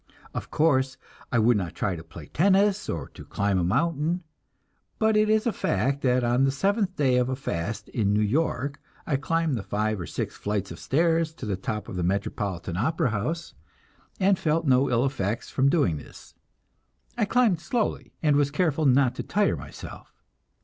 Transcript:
Of course I would not try to play tennis, or to climb a mountain, but it is a fact that on the seventh day of a fast in New York, I climbed the five or six flights of stairs to the top of the Metropolitan Opera House, and felt no ill effects from doing this. I climbed slowly, and was careful not to tire myself.